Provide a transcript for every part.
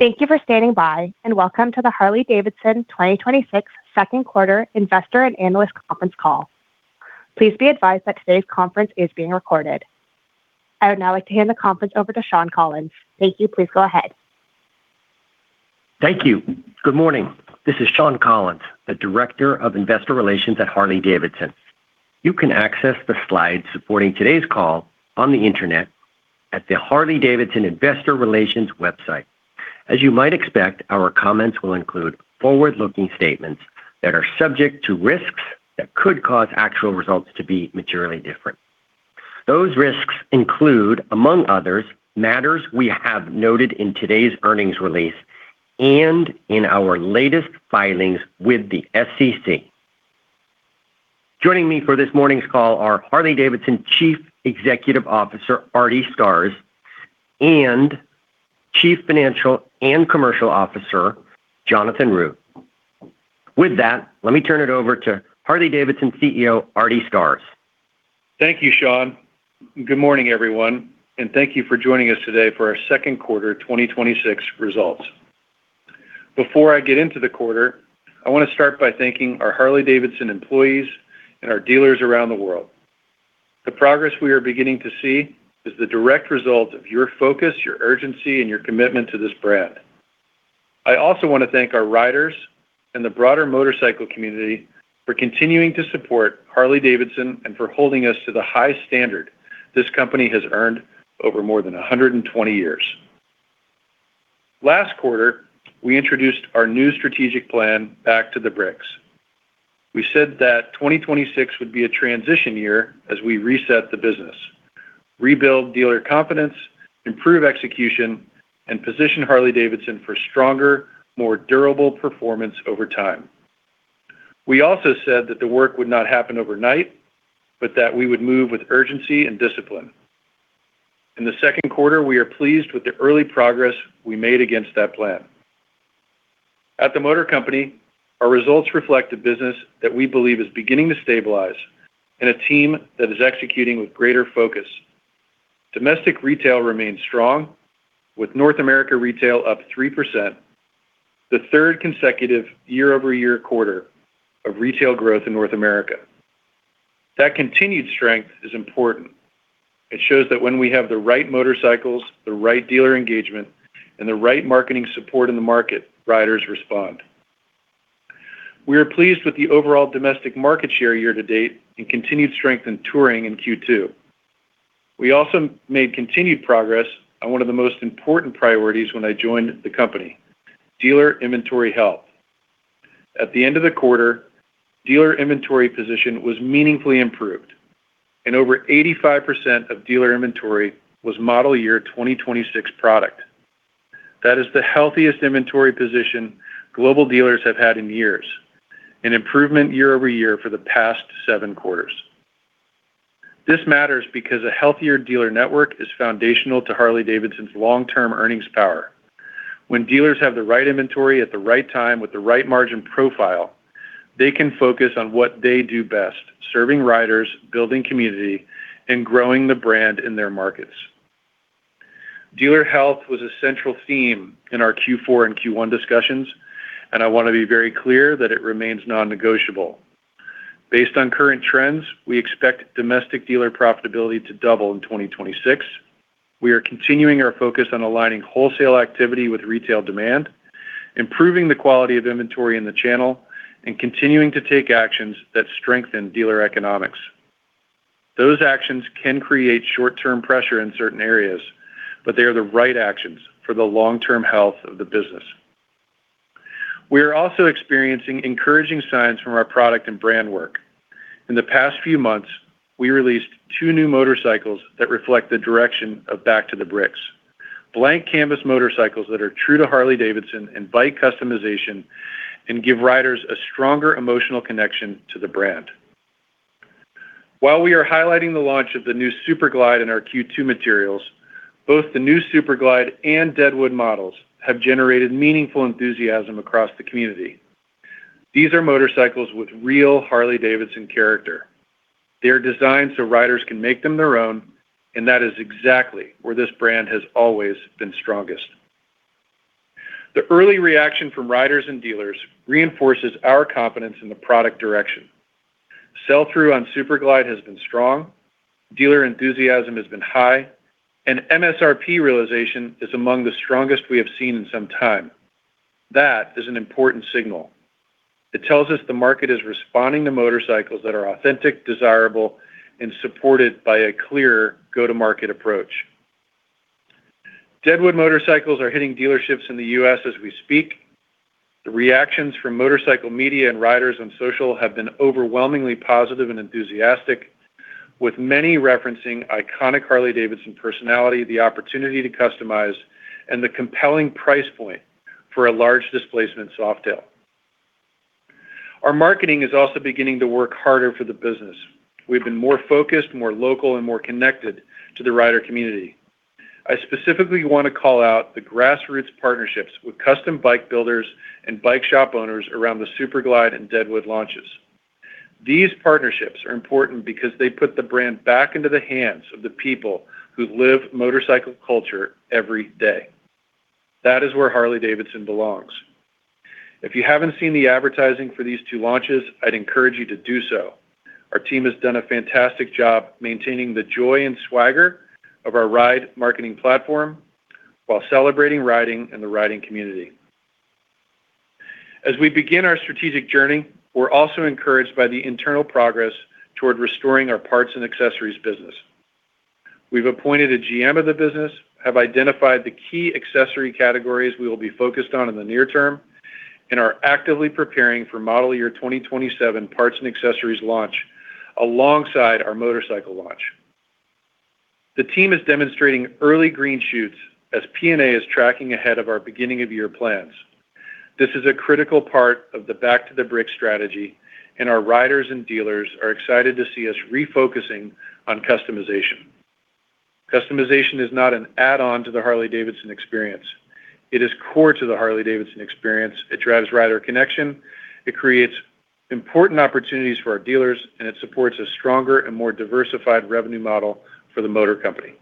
Thank you for standing by, and welcome to the Harley-Davidson 2026 second quarter investor and analyst conference call. Please be advised that today's conference is being recorded. I would now like to hand the conference over to Shawn Collins. Thank you. Please go ahead. Thank you. Good morning. This is Shawn Collins, the Director of Investor Relations at Harley-Davidson. You can access the slides supporting today's call on the internet at the Harley-Davidson Investor Relations website. As you might expect, our comments will include forward-looking statements that are subject to risks that could cause actual results to be materially different. Those risks include, among others, matters we have noted in today's earnings release and in our latest filings with the SEC. Joining me for this morning's call are Harley-Davidson Chief Executive Officer, Artie Starrs, and Chief Financial and Commercial Officer, Jonathan Root. With that, let me turn it over to Harley-Davidson CEO, Artie Starrs. Thank you, Shawn. Good morning, everyone, and thank you for joining us today for our second quarter 2026 results. Before I get into the quarter, I want to start by thanking our Harley-Davidson employees and our dealers around the world. The progress we are beginning to see is the direct result of your focus, your urgency, and your commitment to this brand. I also want to thank our riders and the broader motorcycle community for continuing to support Harley-Davidson and for holding us to the high standard this company has earned over more than 120 years. Last quarter, we introduced our new strategic plan, Back to the Bricks. We said that 2026 would be a transition year as we reset the business, rebuild dealer confidence, improve execution, and position Harley-Davidson for stronger, more durable performance over time. We also said that the work would not happen overnight, but that we would move with urgency and discipline. In the second quarter, we are pleased with the early progress we made against that plan. At the motor company, our results reflect a business that we believe is beginning to stabilize and a team that is executing with greater focus. Domestic retail remains strong, with North America retail up 3%, the third consecutive year-over-year quarter of retail growth in North America. That continued strength is important. It shows that when we have the right motorcycles, the right dealer engagement, and the right marketing support in the market, riders respond. We are pleased with the overall domestic market share year to date and continued strength in touring in Q2. We also made continued progress on one of the most important priorities when I joined the company, dealer inventory health. At the end of the quarter, dealer inventory position was meaningfully improved, over 85% of dealer inventory was model year 2026 product. That is the healthiest inventory position global dealers have had in years, an improvement year-over-year for the past seven quarters. This matters because a healthier dealer network is foundational to Harley-Davidson's long-term earnings power. When dealers have the right inventory at the right time with the right margin profile, they can focus on what they do best, serving riders, building community, and growing the brand in their markets. Dealer health was a central theme in our Q4 and Q1 discussions, I want to be very clear that it remains non-negotiable. Based on current trends, we expect domestic dealer profitability to double in 2026. We are continuing our focus on aligning wholesale activity with retail demand, improving the quality of inventory in the channel, continuing to take actions that strengthen dealer economics. Those actions can create short-term pressure in certain areas, they are the right actions for the long-term health of the business. We are also experiencing encouraging signs from our product and brand work. In the past few months, we released two new motorcycles that reflect the direction of Back to the Bricks. Blank canvas motorcycles that are true to Harley-Davidson invite customization and give riders a stronger emotional connection to the brand. While we are highlighting the launch of the new Super Glide in our Q2 materials, both the new Super Glide and Deadwood models have generated meaningful enthusiasm across the community. These are motorcycles with real Harley-Davidson character. They are designed so riders can make them their own, that is exactly where this brand has always been strongest. The early reaction from riders and dealers reinforces our confidence in the product direction. Sell-through on Super Glide has been strong, dealer enthusiasm has been high, MSRP realization is among the strongest we have seen in some time. That is an important signal. It tells us the market is responding to motorcycles that are authentic, desirable, and supported by a clear go-to-market approach. Deadwood motorcycles are hitting dealerships in the U.S. as we speak. The reactions from motorcycle media and riders on social have been overwhelmingly positive and enthusiastic, with many referencing iconic Harley-Davidson personality, the opportunity to customize, and the compelling price point for a large displacement Softail. Our marketing is also beginning to work harder for the business. We've been more focused, more local, more connected to the rider community. I specifically want to call out the grassroots partnerships with custom bike builders and bike shop owners around the Super Glide and Deadwood launches. These partnerships are important because they put the brand back into the hands of the people who live motorcycle culture every day. That is where Harley-Davidson belongs. If you haven't seen the advertising for these two launches, I'd encourage you to do so. Our team has done a fantastic job maintaining the joy and swagger of our ride marketing platform while celebrating riding and the riding community. As we begin our strategic journey, we're also encouraged by the internal progress toward restoring our Parts and Accessories business. We've appointed a GM of the business, have identified the key accessory categories we will be focused on in the near term, and are actively preparing for model year 2027 parts and accessories launch alongside our motorcycle launch. The team is demonstrating early green shoots as P&A is tracking ahead of our beginning of year plans. This is a critical part of the Back to the Bricks strategy, and our riders and dealers are excited to see us refocusing on customization. Customization is not an add-on to the Harley-Davidson experience. It is core to the Harley-Davidson experience. It drives rider connection, it creates important opportunities for our dealers, and it supports a stronger and more diversified revenue model for the motor company.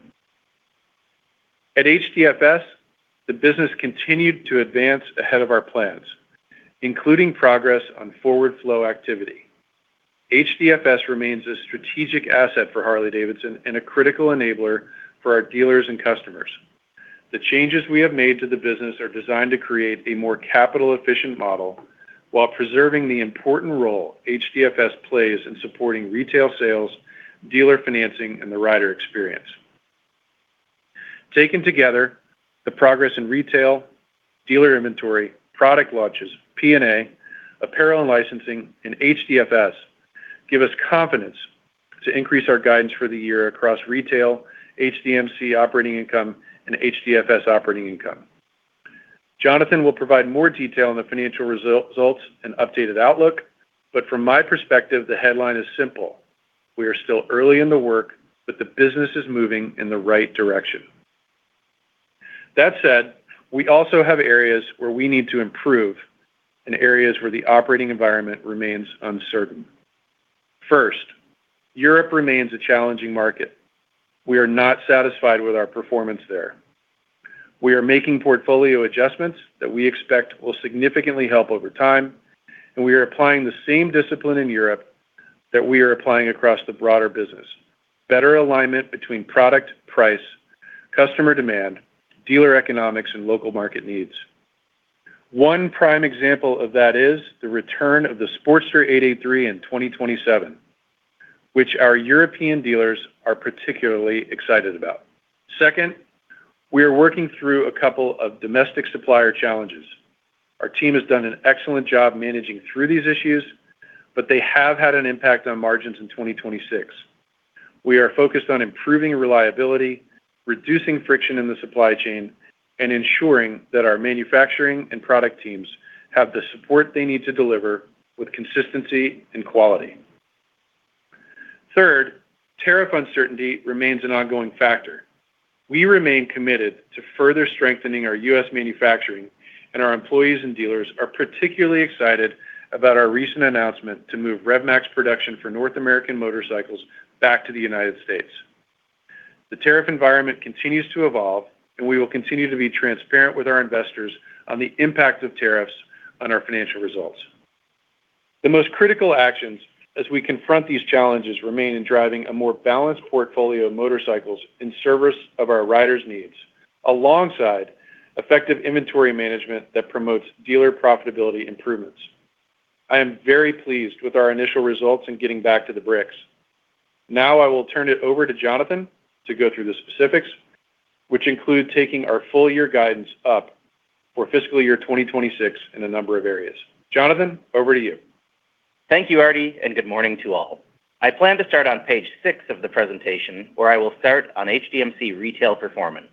At HDFS, the business continued to advance ahead of our plans, including progress on forward flow activity. HDFS remains a strategic asset for Harley-Davidson and a critical enabler for our dealers and customers. The changes we have made to the business are designed to create a more capital-efficient model while preserving the important role HDFS plays in supporting retail sales, dealer financing, and the rider experience. Taken together, the progress in retail, dealer inventory, product launches, P&A, Apparel and Licensing, and HDFS give us confidence to increase our guidance for the year across retail, HDMC operating income, and HDFS operating income. Jonathan will provide more detail on the financial results and updated outlook, but from my perspective, the headline is simple. We are still early in the work, but the business is moving in the right direction. That said, we also have areas where we need to improve and areas where the operating environment remains uncertain. First, Europe remains a challenging market. We are not satisfied with our performance there. We are making portfolio adjustments that we expect will significantly help over time, and we are applying the same discipline in Europe that we are applying across the broader business. Better alignment between product, price, customer demand, dealer economics, and local market needs. One prime example of that is the return of the Sportster 883 in 2027, which our European dealers are particularly excited about. Second, we are working through a couple of domestic supplier challenges. Our team has done an excellent job managing through these issues, but they have had an impact on margins in 2026. We are focused on improving reliability, reducing friction in the supply chain, and ensuring that our manufacturing and product teams have the support they need to deliver with consistency and quality. Third, tariff uncertainty remains an ongoing factor. We remain committed to further strengthening our U.S. manufacturing, and our employees and dealers are particularly excited about our recent announcement to move Rev Max production for North American motorcycles back to the United States. The tariff environment continues to evolve, and we will continue to be transparent with our investors on the impact of tariffs on our financial results. The most critical actions as we confront these challenges remain in driving a more balanced portfolio of motorcycles in service of our riders' needs, alongside effective inventory management that promotes dealer profitability improvements. I am very pleased with our initial results in getting Back to the Bricks. Now, I will turn it over to Jonathan to go through the specifics, which include taking our full year guidance up for fiscal year 2026 in a number of areas. Jonathan, over to you. Thank you, Artie, and good morning to all. I plan to start on page six of the presentation, where I will start on HDMC retail performance.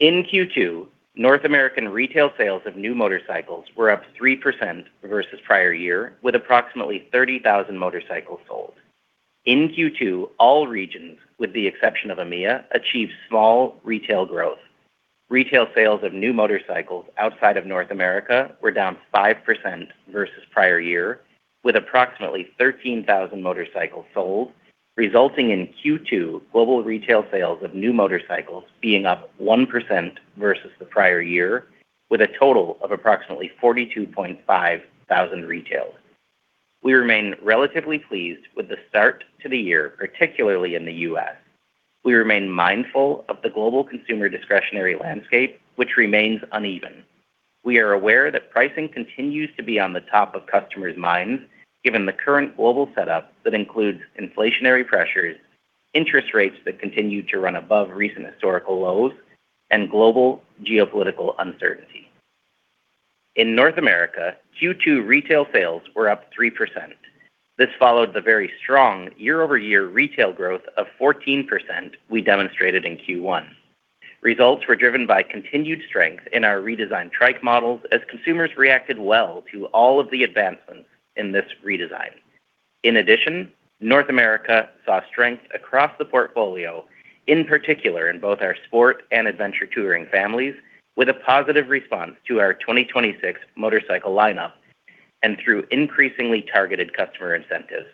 In Q2, North American retail sales of new motorcycles were up 3% versus prior year, with approximately 30,000 motorcycles sold. In Q2, all regions, with the exception of EMEA, achieved small retail growth. Retail sales of new motorcycles outside of North America were down 5% versus prior year, with approximately 13,000 motorcycles sold, resulting in Q2 global retail sales of new motorcycles being up 1% versus the prior year, with a total of approximately 42,500 retailed. We remain relatively pleased with the start to the year, particularly in the U.S. We remain mindful of the global consumer discretionary landscape, which remains uneven. We are aware that pricing continues to be on the top of customers' minds, given the current global setup that includes inflationary pressures, interest rates that continue to run above recent historical lows, and global geopolitical uncertainty. In North America, Q2 retail sales were up 3%. This followed the very strong year-over-year retail growth of 14% we demonstrated in Q1. Results were driven by continued strength in our redesigned trike models as consumers reacted well to all of the advancements in this redesign. In addition, North America saw strength across the portfolio, in particular in both our sport and adventure touring families, with a positive response to our 2026 motorcycle lineup and through increasingly targeted customer incentives.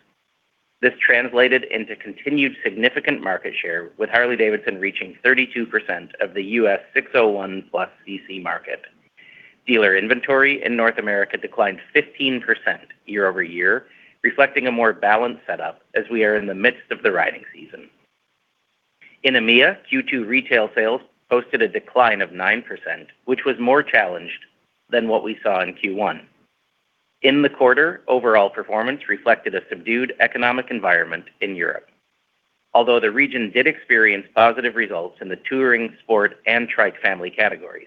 This translated into continued significant market share, with Harley-Davidson reaching 32% of the U.S. 601cc-plus market. Dealer inventory in North America declined 15% year-over-year, reflecting a more balanced setup as we are in the midst of the riding season. In EMEA, Q2 retail sales posted a decline of 9%, which was more challenged than what we saw in Q1. In the quarter, overall performance reflected a subdued economic environment in Europe, although the region did experience positive results in the touring, sport, and trike family categories.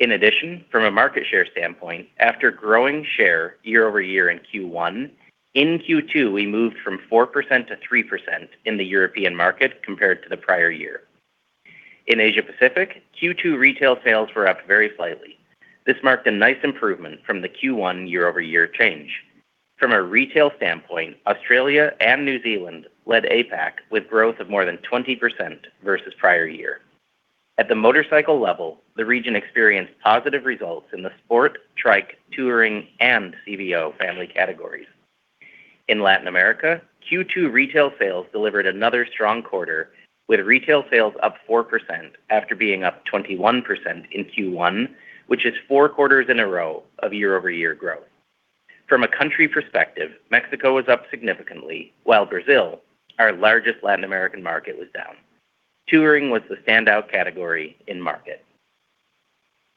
In addition, from a market share standpoint, after growing share year-over-year in Q1, in Q2, we moved from 4% to 3% in the European market compared to the prior year. In Asia Pacific, Q2 retail sales were up very slightly. This marked a nice improvement from the Q1 year-over-year change. From a retail standpoint, Australia and New Zealand led APAC with growth of more than 20% versus prior year. At the motorcycle level, the region experienced positive results in the sport, trike, touring, and CVO family categories. In Latin America, Q2 retail sales delivered another strong quarter, with retail sales up 4% after being up 21% in Q1, which is four quarters in a row of year-over-year growth. From a country perspective, Mexico was up significantly, while Brazil, our largest Latin American market, was down. Touring was the standout category in market.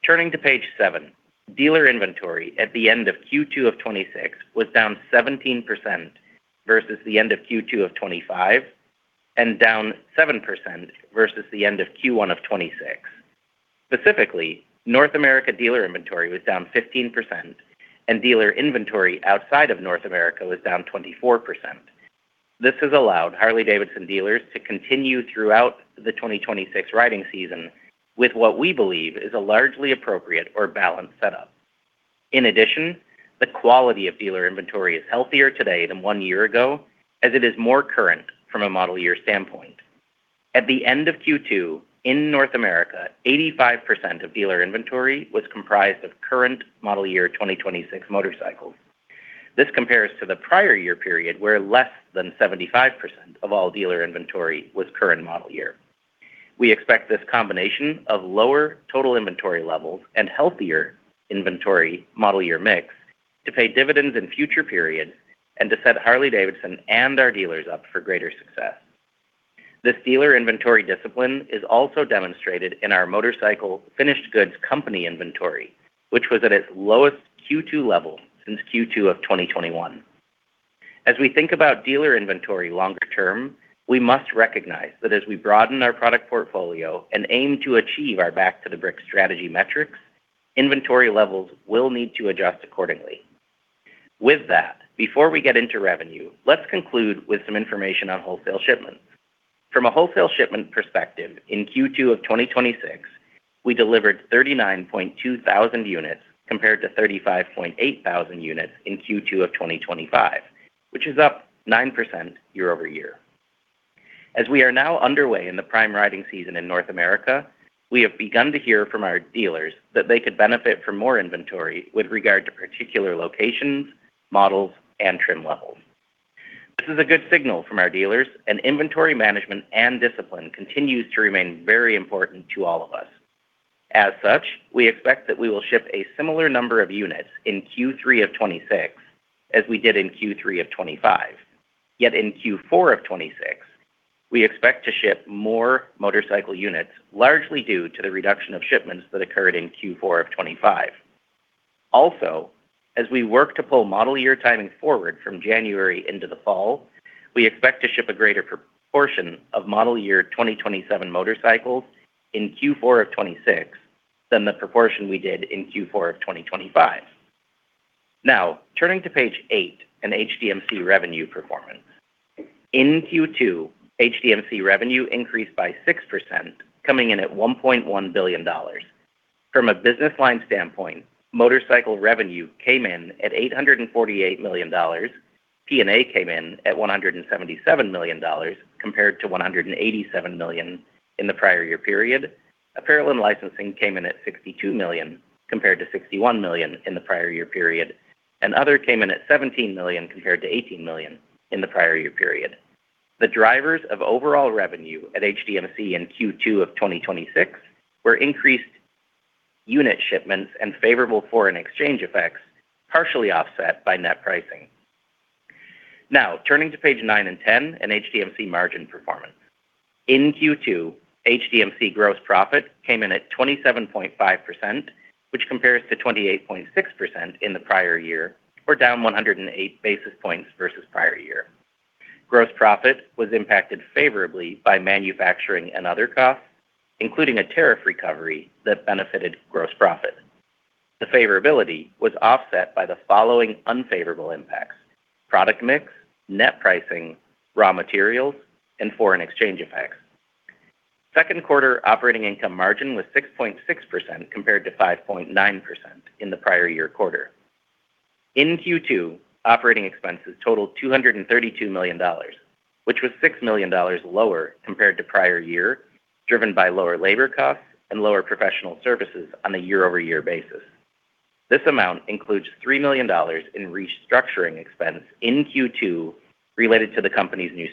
Turning to page seven, dealer inventory at the end of Q2 of 2026 was down 17% versus the end of Q2 of 2025 and down 7% versus the end of Q1 of 2026. Specifically, North America dealer inventory was down 15%, and dealer inventory outside of North America was down 24%. This has allowed Harley-Davidson dealers to continue throughout the 2026 riding season with what we believe is a largely appropriate or balanced setup. In addition, the quality of dealer inventory is healthier today than one year ago, as it is more current from a model year standpoint. At the end of Q2 in North America, 85% of dealer inventory was comprised of current model year 2026 motorcycles. This compares to the prior year period, where less than 75% of all dealer inventory was current model year. We expect this combination of lower total inventory levels and healthier inventory model year mix to pay dividends in future periods and to set Harley-Davidson and our dealers up for greater success. This dealer inventory discipline is also demonstrated in our motorcycle finished goods company inventory, which was at its lowest Q2 level since Q2 of 2021. As we think about dealer inventory longer term, we must recognize that as we broaden our product portfolio and aim to achieve our Back to the Bricks strategy metrics, inventory levels will need to adjust accordingly. With that, before we get into revenue, let's conclude with some information on wholesale shipments. From a wholesale shipment perspective, in Q2 of 2026, we delivered 39.2 thousand units compared to 35.8 thousand units in Q2 of 2025, which is up 9% year-over-year. As we are now underway in the prime riding season in North America, we have begun to hear from our dealers that they could benefit from more inventory with regard to particular locations, models, and trim levels. This is a good signal from our dealers. Inventory management and discipline continues to remain very important to all of us. As such, we expect that we will ship a similar number of units in Q3 of 2026 as we did in Q3 of 2025. In Q4 of 2026, we expect to ship more motorcycle units, largely due to the reduction of shipments that occurred in Q4 of 2025. Also, as we work to pull model year timing forward from January into the fall, we expect to ship a greater proportion of model year 2027 motorcycles in Q4 of 2026 than the proportion we did in Q4 of 2025. Turning to page eight and HDMC revenue performance. In Q2, HDMC revenue increased by 6%, coming in at $1.1 billion. From a business line standpoint, motorcycle revenue came in at $848 million, P&A came in at $177 million compared to $187 million in the prior year period. Apparel and Licensing came in at $62 million, compared to $61 million in the prior year period. Other came in at $17 million compared to $18 million in the prior year period. The drivers of overall revenue at HDMC in Q2 of 2026 were increased unit shipments and favorable foreign exchange effects, partially offset by net pricing. Turning to page nine and 10 in HDMC margin performance. In Q2, HDMC gross profit came in at 27.5%, which compares to 28.6% in the prior year or down 108 basis points versus prior year. Gross profit was impacted favorably by manufacturing and other costs, including a tariff recovery that benefited gross profit. The favorability was offset by the following unfavorable impacts: product mix, net pricing, raw materials, and foreign exchange effects. Second quarter operating income margin was 6.6%, compared to 5.9% in the prior year quarter. In Q2, operating expenses totaled $232 million, which was $6 million lower compared to prior year, driven by lower labor costs and lower professional services on a year-over-year basis. This amount includes $3 million in restructuring expense in Q2 related to the company's new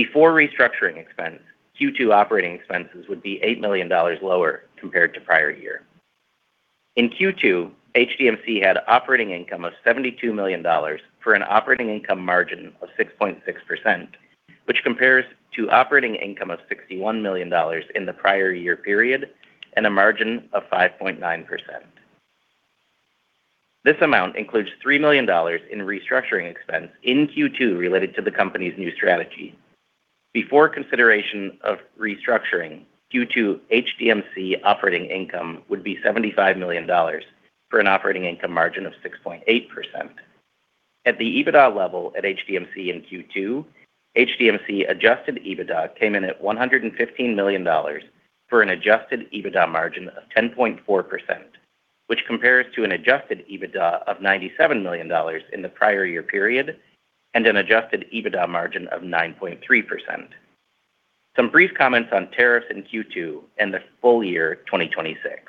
strategy. Before restructuring expense, Q2 operating expenses would be $8 million lower compared to prior year. In Q2, HDMC had operating income of $72 million for an operating income margin of 6.6%, which compares to operating income of $61 million in the prior year period and a margin of 5.9%. This amount includes $3 million in restructuring expense in Q2 related to the company's new strategy. Before consideration of restructuring due to HDMC, operating income would be $75 million for an operating income margin of 6.8%. At the EBITDA level at HDMC in Q2, HDMC Adjusted EBITDA came in at $115 million for an Adjusted EBITDA margin of 10.4%, which compares to an Adjusted EBITDA of $97 million in the prior year period and an Adjusted EBITDA margin of 9.3%. Some brief comments on tariffs in Q2 and the full year 2026.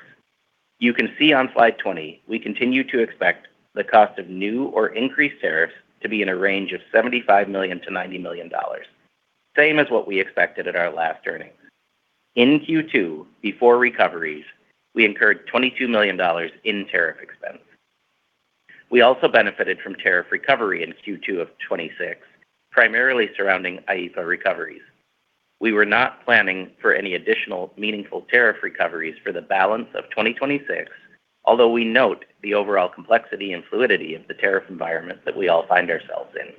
You can see on slide 20, we continue to expect the cost of new or increased tariffs to be in a range of $75 million-$90 million, same as what we expected at our last earnings. In Q2, before recoveries, we incurred $22 million in tariff expense. We also benefited from tariff recovery in Q2 of 2026, primarily surrounding IEEPA recoveries. We were not planning for any additional meaningful tariff recoveries for the balance of 2026, although we note the overall complexity and fluidity of the tariff environment that we all find ourselves in.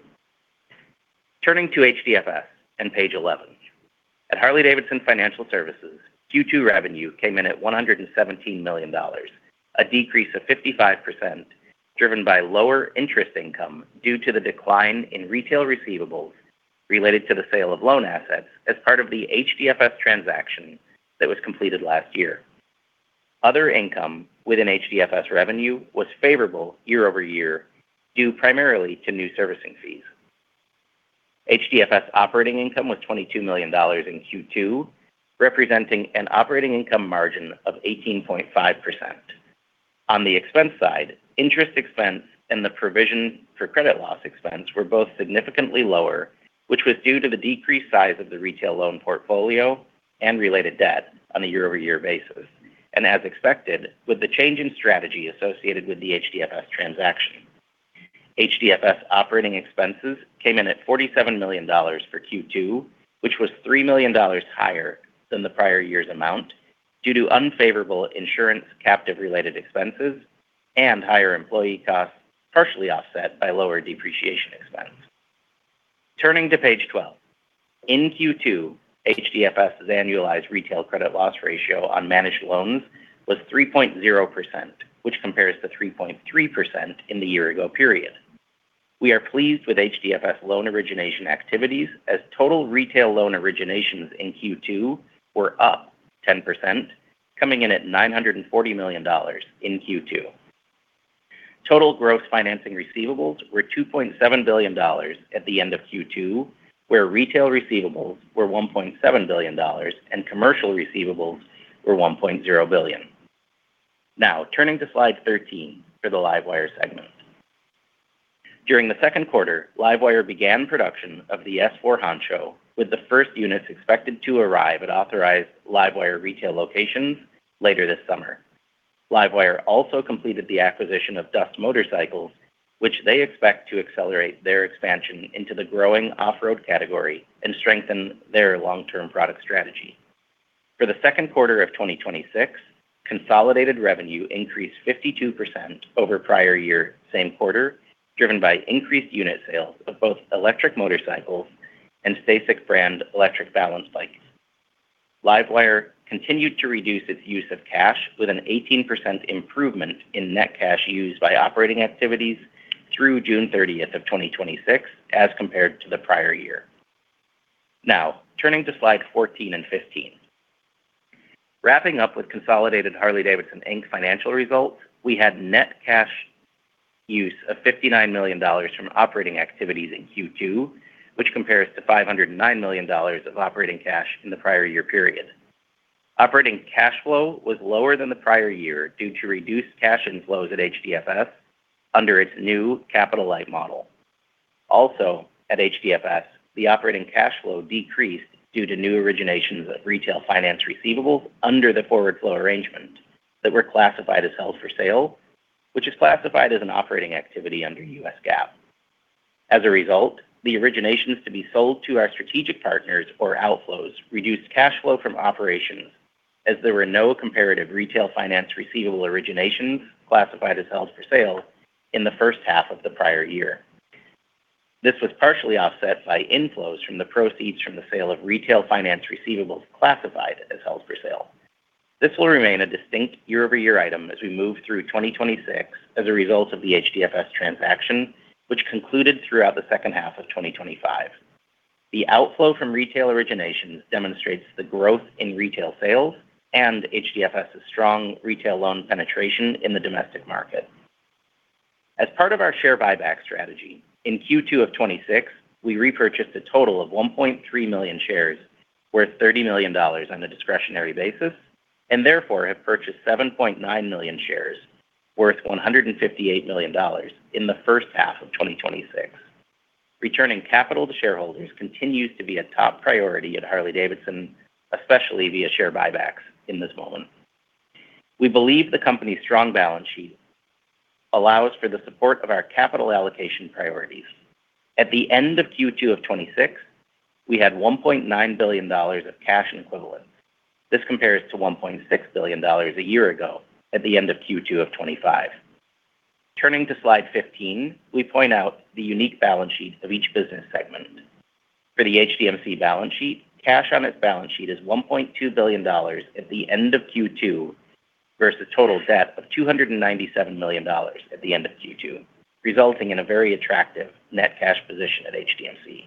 Turning to HDFS and page 11. At Harley-Davidson Financial Services, Q2 revenue came in at $117 million, a decrease of 55%, driven by lower interest income due to the decline in retail receivables related to the sale of loan assets as part of the HDFS transaction that was completed last year. Other income within HDFS revenue was favorable year-over-year, due primarily to new servicing fees. HDFS operating income was $22 million in Q2, representing an operating income margin of 18.5%. On the expense side, interest expense and the provision for credit loss expense were both significantly lower, which was due to the decreased size of the retail loan portfolio and related debt on a year-over-year basis. As expected, with the change in strategy associated with the HDFS transaction, HDFS operating expenses came in at $47 million for Q2, which was $3 million higher than the prior year's amount due to unfavorable insurance captive-related expenses and higher employee costs, partially offset by lower depreciation expense. Turning to page 12. In Q2, HDFS's annualized retail credit loss ratio on managed loans was 3.0%, which compares to 3.3% in the year-ago period. We are pleased with HDFS loan origination activities, as total retail loan originations in Q2 were up 10%, coming in at $940 million in Q2. Total gross financing receivables were $2.7 billion at the end of Q2, where retail receivables were $1.7 billion and commercial receivables were $1.0 billion. Turning to slide 13 for the LiveWire segment. During the second quarter, LiveWire began production of the S4 Honcho, with the first units expected to arrive at authorized LiveWire retail locations later this summer. LiveWire also completed the acquisition of Dust Motorcycles, which they expect to accelerate their expansion into the growing off-road category and strengthen their long-term product strategy. For the second quarter of 2026, consolidated revenue increased 52% over prior year same quarter, driven by increased unit sales of both electric motorcycles and STACYC brand electric balance bikes. LiveWire continued to reduce its use of cash with an 18% improvement in net cash used by operating activities through June 30th of 2026 as compared to the prior year. Turning to slide 14 and 15. Wrapping up with consolidated Harley-Davidson, Inc. financial results, we had net cash use of $59 million from operating activities in Q2, which compares to $509 million of operating cash in the prior year period. Operating cash flow was lower than the prior year due to reduced cash inflows at HDFS under its new capital-light model. Also at HDFS, the operating cash flow decreased due to new originations of retail finance receivables under the forward flow arrangement that were classified as held for sale, which is classified as an operating activity under U.S. GAAP. The originations to be sold to our strategic partners for outflows reduced cash flow from operations as there were no comparative retail finance receivable originations classified as held for sale in the first half of the prior year. This was partially offset by inflows from the proceeds from the sale of retail finance receivables classified as held for sale. This will remain a distinct year-over-year item as we move through 2026 as a result of the HDFS transaction, which concluded throughout the second half of 2025. The outflow from retail originations demonstrates the growth in retail sales and HDFS's strong retail loan penetration in the domestic market. In Q2 of 2026, we repurchased a total of 1.3 million shares worth $30 million on a discretionary basis, and therefore have purchased 7.9 million shares worth $158 million in the first half of 2026. Returning capital to shareholders continues to be a top priority at Harley-Davidson, especially via share buybacks in this moment. We believe the company's strong balance sheet allows for the support of our capital allocation priorities. At the end of Q2 of 2026, we had $1.9 billion of cash equivalents. This compares to $1.6 billion a year ago at the end of Q2 of 2025. Turning to slide 15, we point out the unique balance sheets of each business segment. For the HDMC balance sheet, cash on its balance sheet is $1.2 billion at the end of Q2 versus total debt of $297 million at the end of Q2, resulting in a very attractive net cash position at HDMC.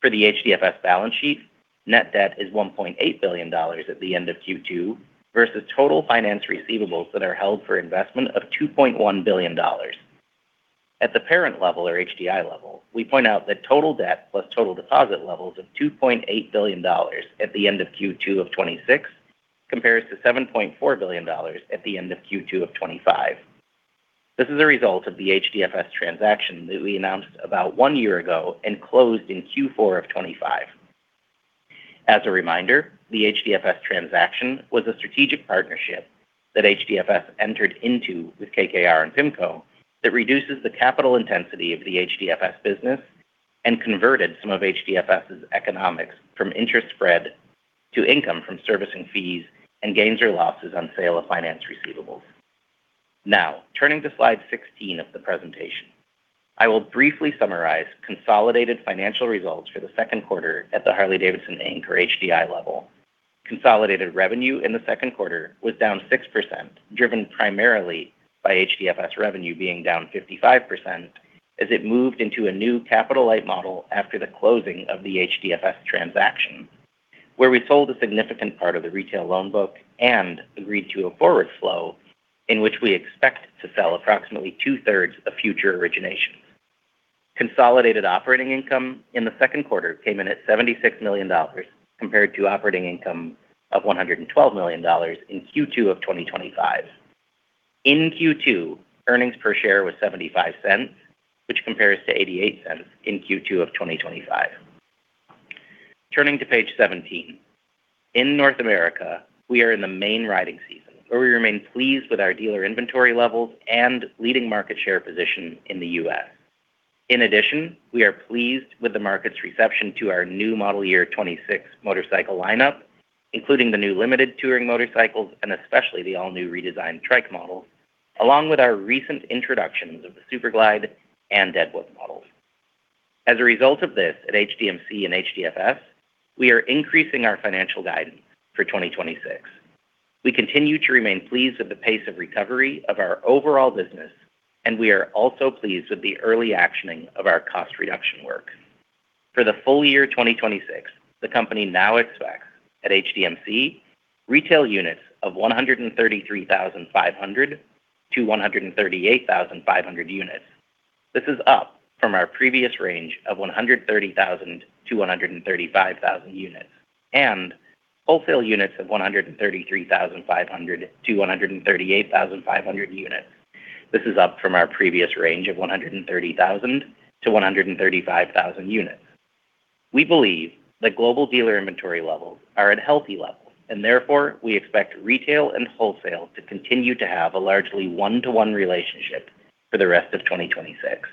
For the HDFS balance sheet, net debt is $1.8 billion at the end of Q2 versus total finance receivables that are held for investment of $2.1 billion. At the parent level or HDI level, we point out that total debt plus total deposit levels of $2.8 billion at the end of Q2 of 2026 compares to $7.4 billion at the end of Q2 of 2025. This is a result of the HDFS transaction that we announced about one year ago and closed in Q4 of 2025. As a reminder, the HDFS transaction was a strategic partnership that HDFS entered into with KKR and PIMCO that reduces the capital intensity of the HDFS business and converted some of HDFS's economics from interest spread to income from servicing fees and gains or losses on sale of finance receivables. Now, turning to slide 16 of the presentation, I will briefly summarize consolidated financial results for the second quarter at the Harley-Davidson, Inc., or HDI, level. Consolidated revenue in the second quarter was down 6%, driven primarily by HDFS revenue being down 55% as it moved into a new capital-light model after the closing of the HDFS transaction, where we sold a significant part of the retail loan book and agreed to a forward flow in which we expect to sell approximately 2/3 of future originations. Consolidated operating income in the second quarter came in at $76 million, compared to operating income of $112 million in Q2 of 2025. In Q2, earnings per share was $0.75, which compares to $0.88 in Q2 of 2025. Turning to page 17. In North America, we are in the main riding season, where we remain pleased with our dealer inventory levels and leading market share position in the U.S. In addition, we are pleased with the market's reception to our new model year 2026 motorcycle lineup, including the new limited touring motorcycles and especially the all-new redesigned trike models, along with our recent introductions of the Super Glide and Deadwood models. As a result of this, at HDMC and HDFS, we are increasing our financial guidance for 2026. We continue to remain pleased with the pace of recovery of our overall business, and we are also pleased with the early actioning of our cost-reduction work. For the full year 2026, the company now expects, at HDMC, retail units of 133,500-138,500 units. This is up from our previous range of 130,000-135,000 units, and wholesale units of 133,500-138,500 units. This is up from our previous range of 130,000-135,000 units. We believe that global dealer inventory levels are at healthy levels, and therefore, we expect retail and wholesale to continue to have a largely one-to-one relationship for the rest of 2026.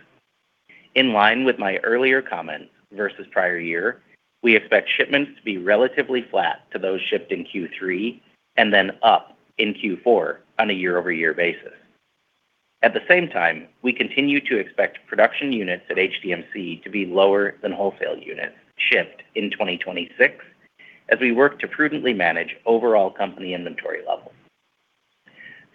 In line with my earlier comments versus prior year, we expect shipments to be relatively flat to those shipped in Q3 and then up in Q4 on a year-over-year basis. At the same time, we continue to expect production units at HDMC to be lower than wholesale units shipped in 2026 as we work to prudently manage overall company inventory levels.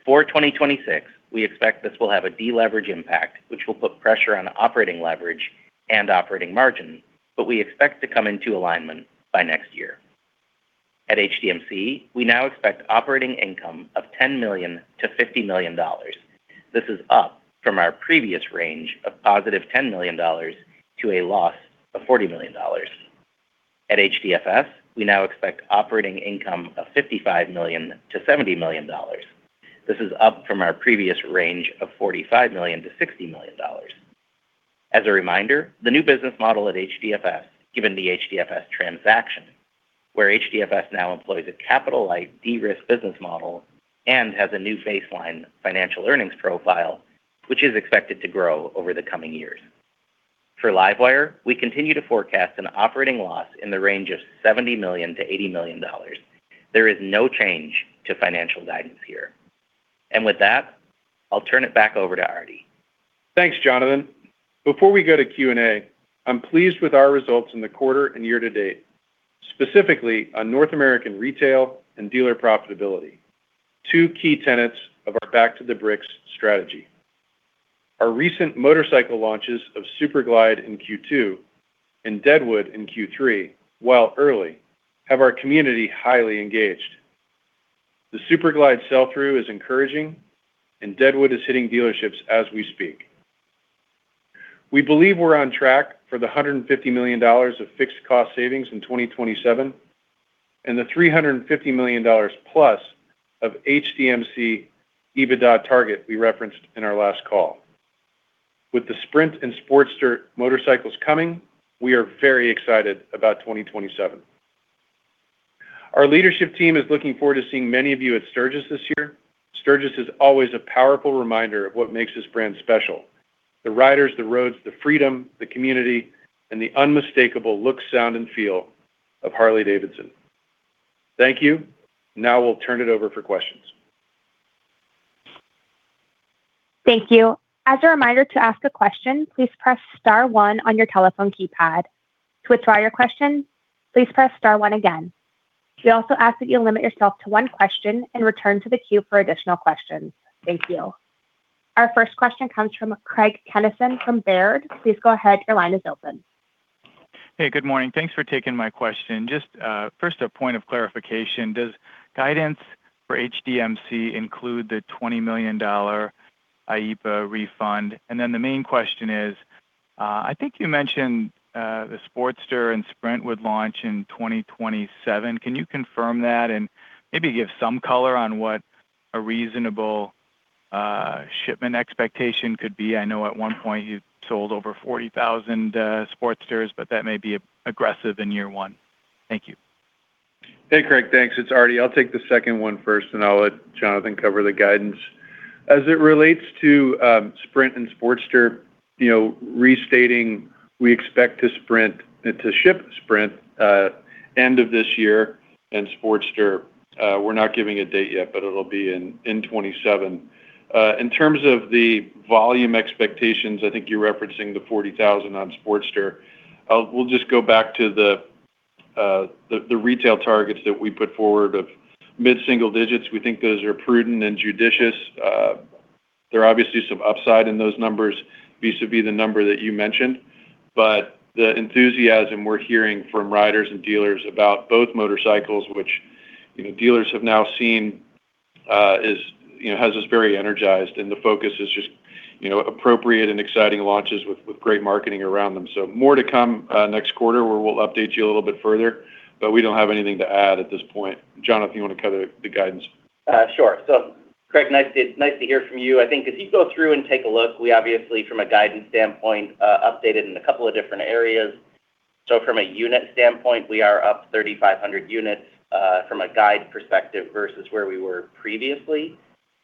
For 2026, we expect this will have a deleverage impact, which will put pressure on operating leverage and operating margin, but we expect to come into alignment by next year. At HDMC, we now expect operating income of $10 million-$50 million. This is up from our previous range of positive $10 million to a loss of $40 million. At HDFS, we now expect operating income of $55 million to $70 million. This is up from our previous range of $45 million to $60 million. As a reminder, the new business model at HDFS, given the HDFS transaction, where HDFS now employs a capital-light, de-risk business model and has a new baseline financial earnings profile, which is expected to grow over the coming years. For LiveWire, we continue to forecast an operating loss in the range of $70 million to $80 million. There is no change to financial guidance here. With that, I'll turn it back over to Artie. Thanks, Jonathan. Before we go to Q&A, I'm pleased with our results in the quarter and year to date, specifically on North American retail and dealer profitability, two key tenets of our Back to the Bricks strategy. Our recent motorcycle launches of Super Glide in Q2 and Deadwood in Q3, while early, have our community highly engaged. The Super Glide sell-through is encouraging. Deadwood is hitting dealerships as we speak. We believe we're on track for the $150 million of fixed cost savings in 2027. The $350+ million of HDMC EBITDA target we referenced in our last call. With the Sprint and Sportster motorcycles coming, we are very excited about 2027. Our leadership team is looking forward to seeing many of you at Sturgis this year. Sturgis is always a powerful reminder of what makes this brand special: the riders, the roads, the freedom, the community, and the unmistakable look, sound, and feel of Harley-Davidson. Thank you. Now we'll turn it over for questions. Thank you. As a reminder, to ask a question, please press star one on your telephone keypad. To withdraw your question, please press star one again. We also ask that you limit yourself to one question and return to the queue for additional questions. Thank you. Our first question comes from Craig Kennison from Baird. Please go ahead. Your line is open. Hey, good morning. Thanks for taking my question. Just first, a point of clarification, does guidance for HDMC include the $20 million IEEPA refund? The main question is, I think you mentioned the Sportster and Sprint would launch in 2027. Can you confirm that and maybe give some color on what a reasonable shipment expectation could be? I know at one point you sold over 40,000 Sportsters, but that may be aggressive in year one. Thank you. Hey, Craig. Thanks. It's Artie. I'll take the second one first, and I'll let Jonathan cover the guidance. As it relates to Sprint and Sportster, restating, we expect to ship Sprint end of this year, and Sportster, we're not giving a date yet, but it'll be in 2027. In terms of the volume expectations, I think you're referencing the 40,000 on Sportster. We'll just go back to the retail targets that we put forward of mid-single digits. We think those are prudent and judicious. There are obviously some upside in those numbers vis-à-vis the number that you mentioned. The enthusiasm we're hearing from riders and dealers about both motorcycles, which dealers have now seen has us very energized. The focus is just appropriate and exciting launches with great marketing around them. More to come next quarter where we'll update you a little bit further, but we don't have anything to add at this point. Jonathan, you want to cover the guidance? Sure. Craig, it's nice to hear from you. I think if you go through and take a look, we obviously, from a guidance standpoint, updated in a couple of different areas. From a unit standpoint, we are up 3,500 units, from a guide perspective versus where we were previously.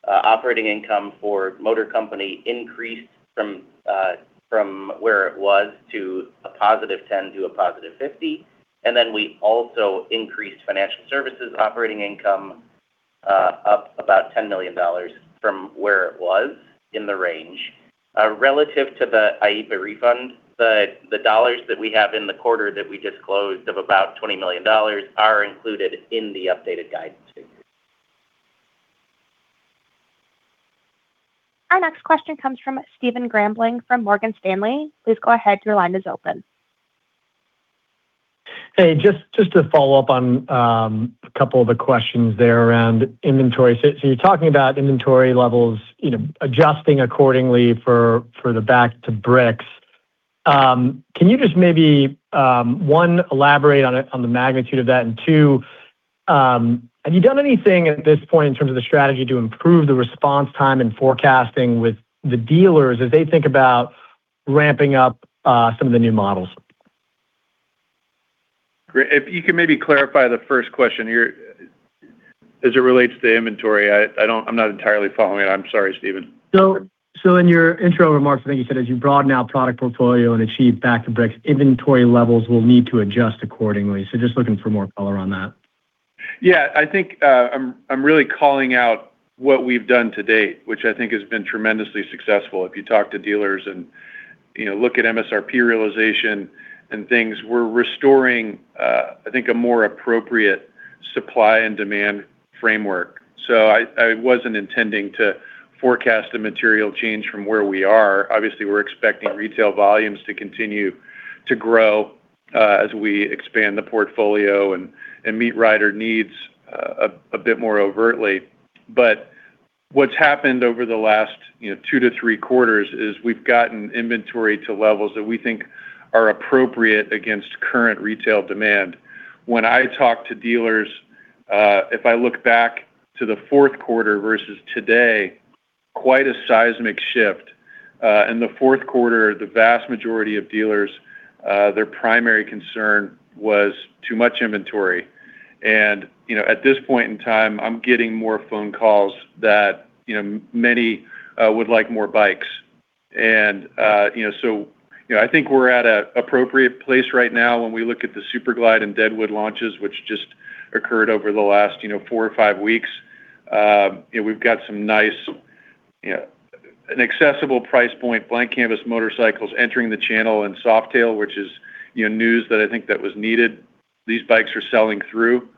Operating income for Motor Company increased from where it was to a positive $10 million to a positive $50 million. We also increased financial services operating income up about $10 million from where it was in the range. Relative to the IEEPA refund, the dollars that we have in the quarter that we disclosed of about $20 million are included in the updated guidance too. Our next question comes from Stephen Grambling from Morgan Stanley. Please go ahead. Your line is open. Hey, just to follow up on a couple of the questions there around inventory. You're talking about inventory levels adjusting accordingly for the Back to the Bricks. Can you just maybe, one, elaborate on the magnitude of that? Two, have you done anything at this point in terms of the strategy to improve the response time and forecasting with the dealers as they think about ramping up some of the new models? If you can maybe clarify the first question as it relates to inventory, I'm not entirely following it. I'm sorry, Stephen. In your intro remarks, I think you said as you broaden out product portfolio and achieve Back to the Bricks, inventory levels will need to adjust accordingly. Just looking for more color on that. I think I'm really calling out what we've done to date, which I think has been tremendously successful. If you talk to dealers and look at MSRP realization and things, we're restoring, I think, a more appropriate supply and demand framework. I wasn't intending to forecast a material change from where we are. Obviously, we're expecting retail volumes to continue to grow as we expand the portfolio and meet rider needs a bit more overtly. What's happened over the last two to three quarters is we've gotten inventory to levels that we think are appropriate against current retail demand. When I talk to dealers, if I look back to the fourth quarter versus today, quite a seismic shift. In the fourth quarter, the vast majority of dealers, their primary concern was too much inventory. At this point in time, I'm getting more phone calls that many would like more bikes. I think we're at an appropriate place right now when we look at the Super Glide and Deadwood launches, which just occurred over the last four or five weeks. We've got some nice, an accessible price point, blank canvas motorcycles entering the channel in Softail, which is news that I think that was needed. These bikes are selling through.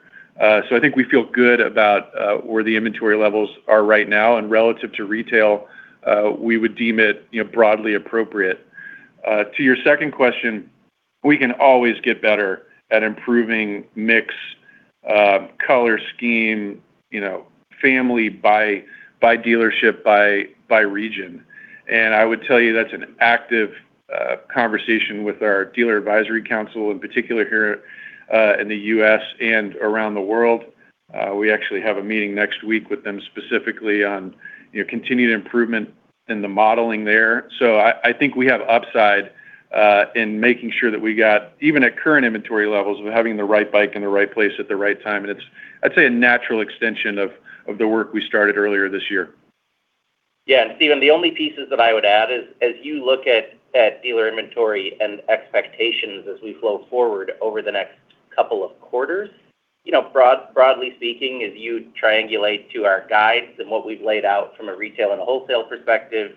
I think we feel good about where the inventory levels are right now. Relative to retail, we would deem it broadly appropriate. To your second question, we can always get better at improving mix, color scheme, family by dealership, by region. I would tell you that's an active conversation with our dealer advisory council, in particular here in the U.S. and around the world. We actually have a meeting next week with them specifically on continued improvement in the modeling there. I think we have upside in making sure that we got, even at current inventory levels, having the right bike in the right place at the right time, and it's, I'd say, a natural extension of the work we started earlier this year. Stephen, the only pieces that I would add is as you look at dealer inventory and expectations as we flow forward over the next couple of quarters, broadly speaking, as you triangulate to our guides and what we've laid out from a retail and a wholesale perspective,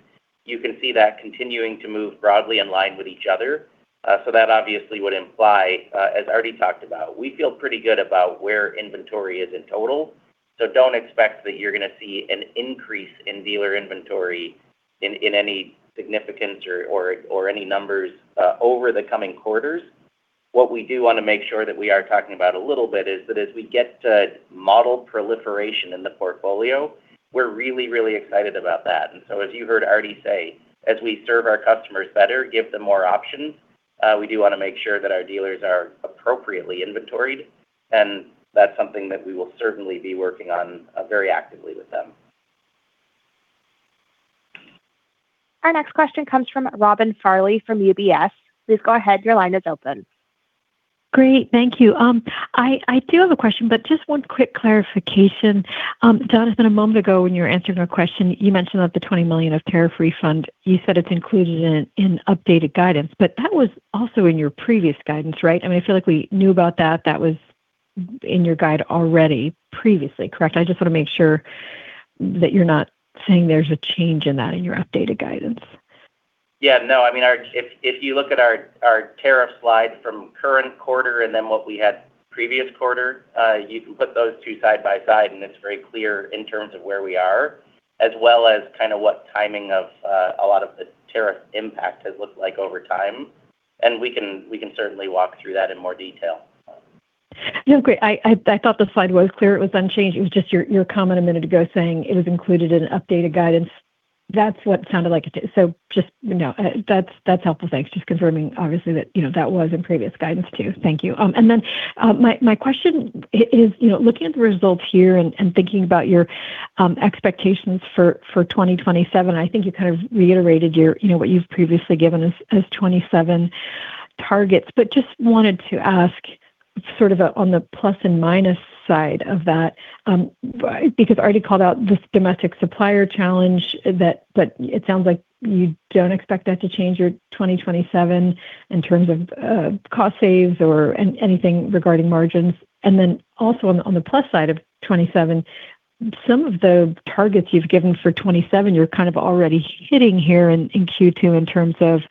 you can see that continuing to move broadly in line with each other. That obviously would imply, as Artie talked about, we feel pretty good about where inventory is in total. Don't expect that you're going to see an increase in dealer inventory in any significance or any numbers over the coming quarters. What we do want to make sure that we are talking about a little bit is that as we get to model proliferation in the portfolio, we're really, really excited about that. As you heard Artie say, as we serve our customers better, give them more options, we do want to make sure that our dealers are appropriately inventoried, and that's something that we will certainly be working on very actively with them. Our next question comes from Robin Farley from UBS. Please go ahead. Your line is open. Great. Thank you. I do have a question, but just one quick clarification. Jonathan, a moment ago when you were answering a question, you mentioned about the $20 million of tariff refund. You said it's included in updated guidance, but that was also in your previous guidance, right? I feel like we knew about that. That was in your guide already previously, correct? I just want to make sure that you're not saying there's a change in that in your updated guidance. Yeah. No, if you look at our tariff slide from current quarter and then what we had previous quarter, you can put those two side by side, and it's very clear in terms of where we are, as well as what timing of a lot of the tariff impact has looked like over time. We can certainly walk through that in more detail. No, great. I thought the slide was clear, it was unchanged. It was just your comment a minute ago saying it was included in updated guidance. That's what sounded like it. Just, no, that's helpful. Thanks. Just confirming obviously that was in previous guidance, too. Thank you. My question is, looking at the results here and thinking about your expectations for 2027, I think you kind of reiterated what you've previously given as 2027 targets. Just wanted to ask sort of on the plus and minus side of that, because I already called out this domestic supplier challenge, but it sounds like you don't expect that to change your 2027 in terms of cost saves or anything regarding margins. Also on the plus side of 2027, some of the targets you've given for 2027, you're kind of already hitting here in Q2 in terms of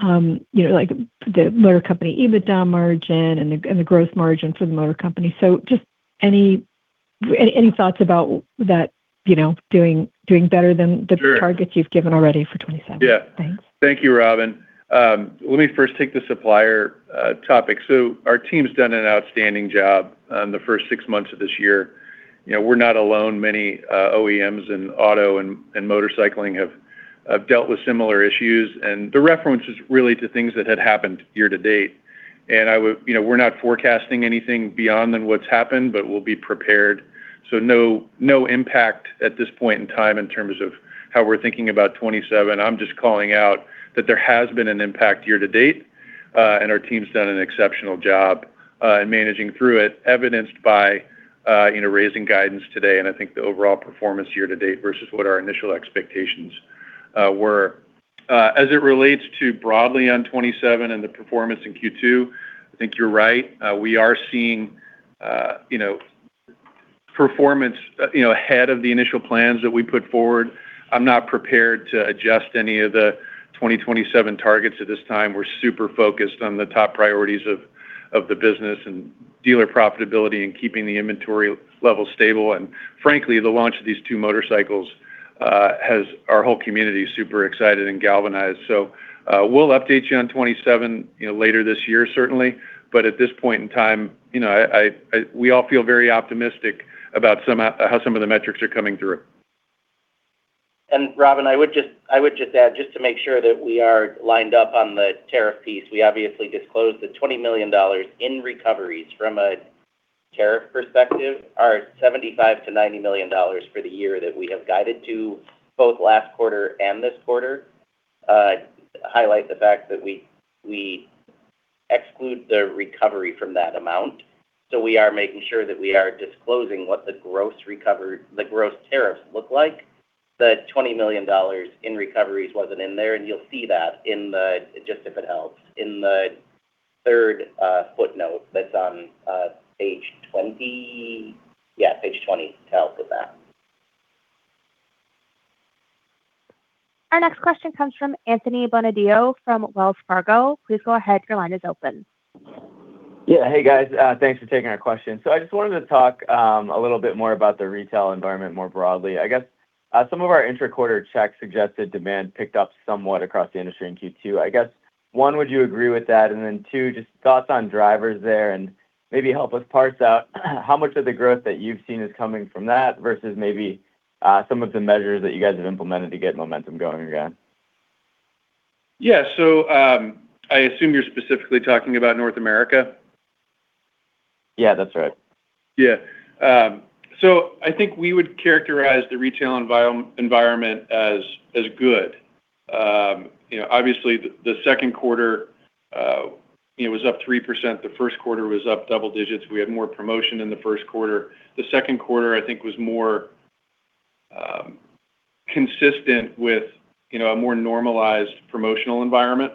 the motor company EBITDA margin and the growth margin for the motor company. Just any thoughts about that doing better than the- Sure targets you've given already for 2027? Yeah. Thanks. Thank you, Robin. Let me first take the supplier topic. Our team's done an outstanding job on the first six months of this year. We're not alone. Many OEMs in auto and motorcycling have dealt with similar issues. The reference is really to things that had happened year to date. We're not forecasting anything beyond than what's happened, but we'll be prepared. No impact at this point in time in terms of how we're thinking about 2027. I'm just calling out that there has been an impact year to date, and our team's done an exceptional job in managing through it, evidenced by raising guidance today and I think the overall performance year to date versus what our initial expectations were. As it relates to broadly on 2027 and the performance in Q2, I think you're right. We are seeing performance ahead of the initial plans that we put forward. I'm not prepared to adjust any of the 2027 targets at this time. We're super focused on the top priorities of the business and dealer profitability and keeping the inventory level stable. Frankly, the launch of these two motorcycles has our whole community super excited and galvanized. We'll update you on 2027 later this year certainly, but at this point in time, we all feel very optimistic about how some of the metrics are coming through. Robin, I would just add, just to make sure that we are lined up on the tariff piece, we obviously disclosed the $20 million in recoveries from a tariff perspective. Our $75 million-$90 million for the year that we have guided to both last quarter and this quarter highlight the fact that we exclude the recovery from that amount. We are making sure that we are disclosing what the gross tariffs look like. The $20 million in recoveries wasn't in there, and you'll see that, just if it helps, in the third footnote that's on page 20. Yeah, page 20 to help with that. Our next question comes from Anthony Bonadio from Wells Fargo. Please go ahead, your line is open. Yeah. Hey, guys. Thanks for taking our question. I just wanted to talk a little bit more about the retail environment more broadly. I guess, some of our inter-quarter checks suggested demand picked up somewhat across the industry in Q2. I guess, one, would you agree with that? Two, just thoughts on drivers there, and maybe help us parse out how much of the growth that you've seen is coming from that versus maybe some of the measures that you guys have implemented to get momentum going again? Yeah. I assume you're specifically talking about North America. Yeah, that's right. Yeah. I think we would characterize the retail environment as good. Obviously, the second quarter was up 3%, the first quarter was up double digits. We had more promotion in the first quarter. The second quarter, I think, was more consistent with a more normalized promotional environment.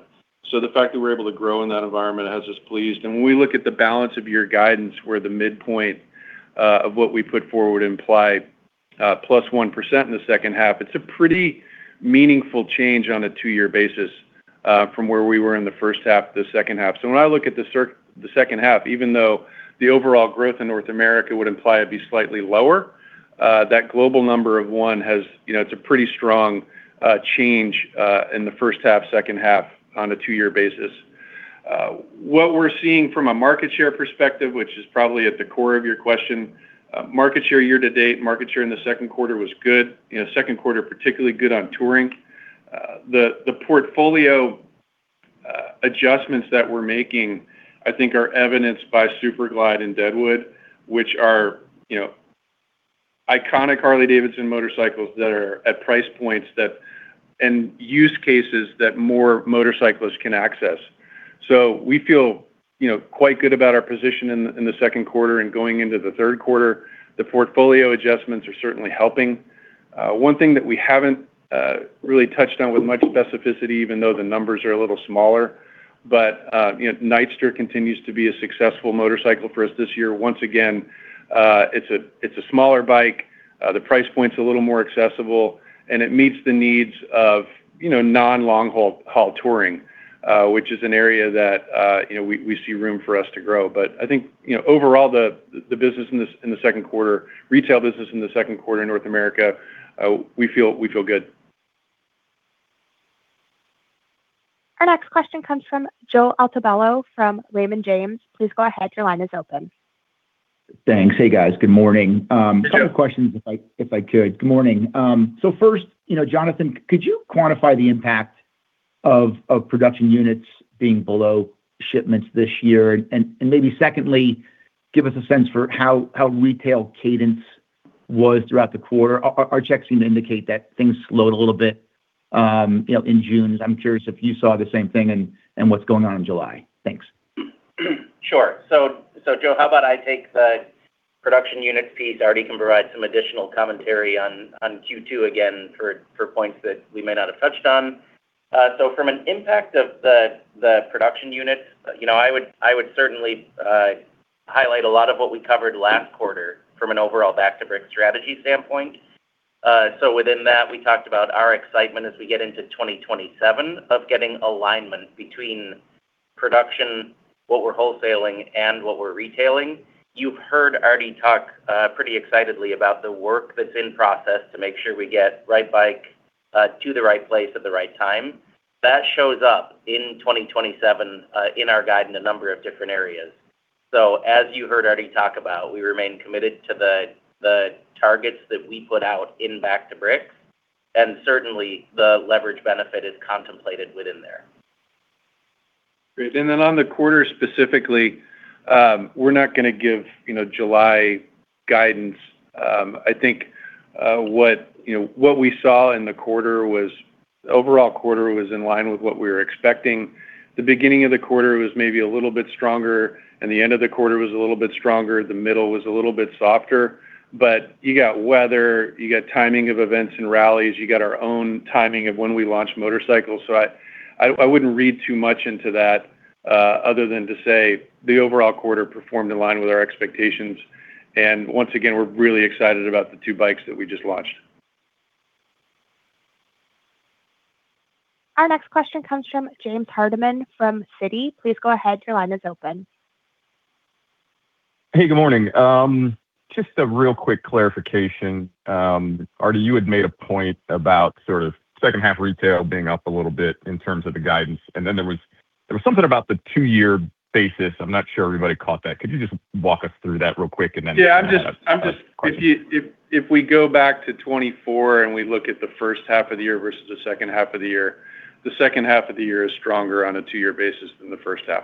The fact that we're able to grow in that environment has us pleased. When we look at the balance of year guidance, where the midpoint of what we put forward implied a +1% in the second half, it's a pretty meaningful change on a two-year basis from where we were in the first half to the second half. When I look at the second half, even though the overall growth in North America would imply it'd be slightly lower, that global number of one, it's a pretty strong change in the first half, second half on a two-year basis. What we're seeing from a market share perspective, which is probably at the core of your question, market share year-to-date, market share in the second quarter was good. Second quarter, particularly good on touring. The portfolio adjustments that we're making, I think, are evidenced by Super Glide and Deadwood, which are iconic Harley-Davidson motorcycles that are at price points and use cases that more motorcyclists can access. We feel quite good about our position in the second quarter and going into the third quarter. The portfolio adjustments are certainly helping. One thing that we haven't really touched on with much specificity, even though the numbers are a little smaller, Nightster continues to be a successful motorcycle for us this year. Once again, it's a smaller bike. The price point's a little more accessible, and it meets the needs of non long haul touring, which is an area that we see room for us to grow. I think, overall, the retail business in the second quarter in North America, we feel good. Our next question comes from Joe Altobello from Raymond James. Please go ahead. Your line is open. Thanks. Hey, guys. Good morning. Sure. A couple questions if I could. Good morning. First, Jonathan, could you quantify the impact of production units being below shipments this year? Maybe secondly, give us a sense for how retail cadence was throughout the quarter. Our checks seem to indicate that things slowed a little bit in June. I'm curious if you saw the same thing and what's going on in July. Thanks. Sure. Joe, how about I take the production units piece? Artie can provide some additional commentary on Q2 again for points that we may not have touched on. From an impact of the production units, I would certainly highlight a lot of what we covered last quarter from an overall Back to the Bricks strategy standpoint. Within that, we talked about our excitement as we get into 2027 of getting alignment between production, what we're wholesaling, and what we're retailing. You've heard Artie talk pretty excitedly about the work that's in process to make sure we get right bike to the right place at the right time. That shows up in 2027 in our guide in a number of different areas. As you heard Artie talk about, we remain committed to the targets that we put out in Back to the Bricks, and certainly the leverage benefit is contemplated within there. Great. Then on the quarter specifically, we're not going to give July guidance. I think what we saw in the quarter was overall quarter was in line with what we were expecting. The beginning of the quarter was maybe a little bit stronger, and the end of the quarter was a little bit stronger. The middle was a little bit softer, but you got weather, you got timing of events and rallies, you got our own timing of when we launch motorcycles. I wouldn't read too much into that other than to say the overall quarter performed in line with our expectations. Once again, we're really excited about the two bikes that we just launched. Our next question comes from James Hardiman from Citi. Please go ahead. Your line is open. Hey, good morning. Just a real quick clarification. Artie, you had made a point about second half retail being up a little bit in terms of the guidance. Then there was something about the two-year basis. I'm not sure everybody caught that. Could you just walk us through that real quick and then- Yeah. I have a question. If we go back to 2024, we look at the first half of the year versus the second half of the year, the second half of the year is stronger on a two-year basis than the first half.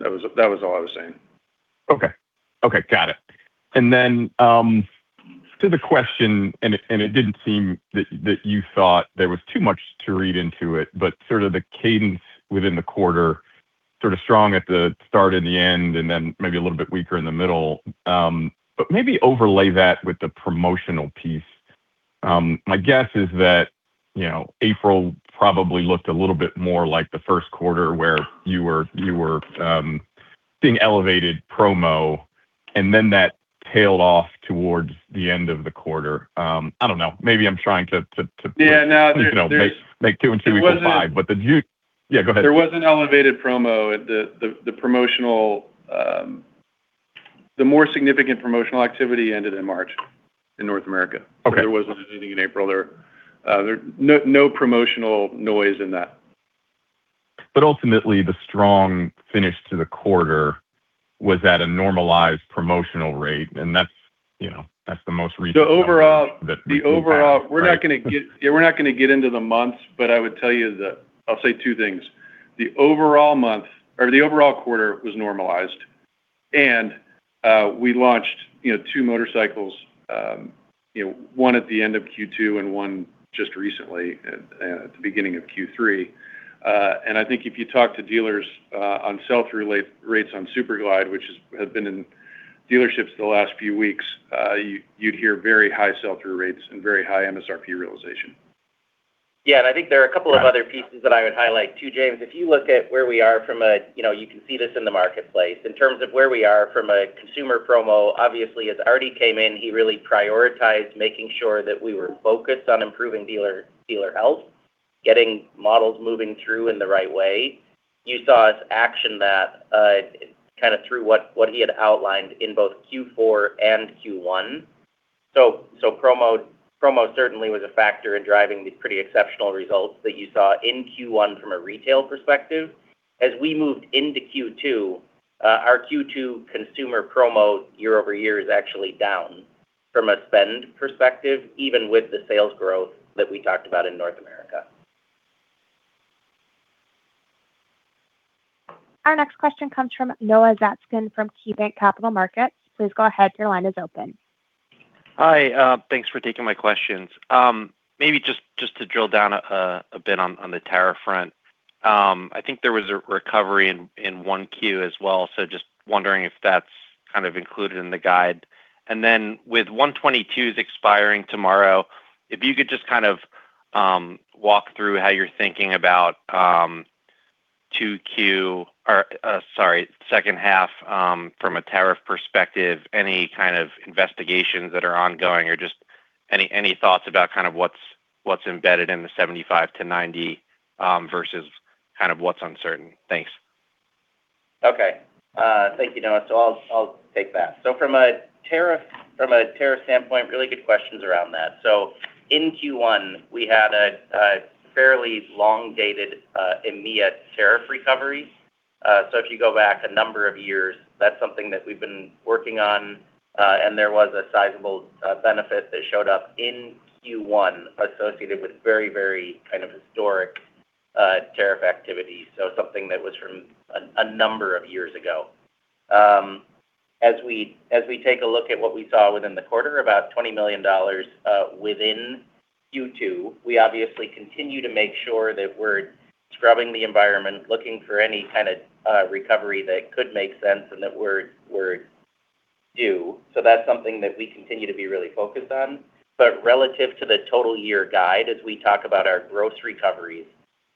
That was all I was saying. Okay. Got it. To the question, it didn't seem that you thought there was too much to read into it, sort of the cadence within the quarter, sort of strong at the start and the end. Maybe a little bit weaker in the middle. Maybe overlay that with the promotional piece. My guess is that April probably looked a little bit more like the first quarter where you were seeing elevated promo. That tailed off towards the end of the quarter. I don't know. Maybe I'm trying to- Yeah, no. Make two and two equal five. Yeah, go ahead. There was an elevated promo. The more significant promotional activity ended in March in North America. Okay. There wasn't anything in April. There no promotional noise in that. Ultimately, the strong finish to the quarter was at a normalized promotional rate, and that's the most recent The overall, we're not going to get into the months, but I would tell you that, I'll say two things. The overall quarter was normalized, and we launched two motorcycles, one at the end of Q2 and one just recently at the beginning of Q3. I think if you talk to dealers on sell-through rates on Super Glide, which have been in dealerships the last few weeks, you'd hear very high sell-through rates and very high MSRP realization. I think there are a couple of other pieces that I would highlight too, James. If you look at where we are, you can see this in the marketplace. In terms of where we are from a consumer promo, obviously, as Artie came in, he really prioritized making sure that we were focused on improving dealer health, getting models moving through in the right way. You saw us action that through what he had outlined in both Q4 and Q1. Promo certainly was a factor in driving the pretty exceptional results that you saw in Q1 from a retail perspective. As we moved into Q2, our Q2 consumer promo year-over-year is actually down from a spend perspective, even with the sales growth that we talked about in North America. Our next question comes from Noah Zatzkin from KeyBanc Capital Markets. Please go ahead. Your line is open. Hi. Thanks for taking my questions. Maybe just to drill down a bit on the tariff front. I think there was a recovery in 1Q as well. Just wondering if that's included in the guide. With 122's expiring tomorrow, if you could just walk through how you're thinking about 2Q or, sorry, second half, from a tariff perspective, any kind of investigations that are ongoing or just any thoughts about what's embedded in the $75-90 million, versus what's uncertain. Thanks. Okay. Thank you, Noah. I'll take that. From a tariff standpoint, really good questions around that. In Q1, we had a fairly long-dated EMEA tariff recovery. If you go back a number of years, that's something that we've been working on. There was a sizable benefit that showed up in Q1 associated with very historic tariff activity. Something that was from a number of years ago. As we take a look at what we saw within the quarter, about $20 million within Q2, we obviously continue to make sure that we're scrubbing the environment, looking for any kind of recovery that could make sense and that we're due. That's something that we continue to be really focused on. Relative to the total year guide, as we talk about our gross recoveries,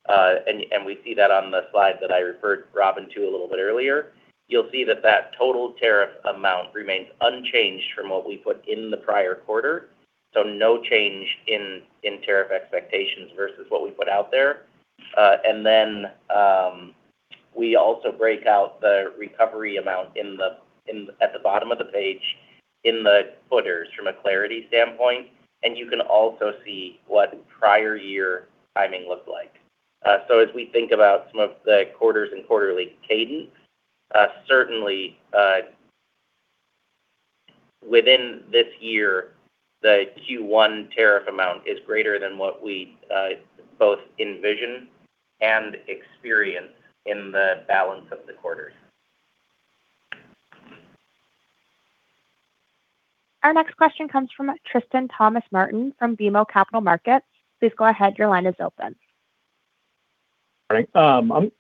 and we see that on the slide that I referred Robin to a little bit earlier, you'll see that that total tariff amount remains unchanged from what we put in the prior quarter. No change in tariff expectations versus what we put out there. We also break out the recovery amount at the bottom of the page in the footers from a clarity standpoint, and you can also see what prior year timing looked like. As we think about some of the quarters and quarterly cadences, certainly, within this year, the Q1 tariff amount is greater than what we both envision and experience in the balance of the quarters. Our next question comes from Tristan Thomas-Martin from BMO Capital Markets. Please go ahead. Your line is open. I'm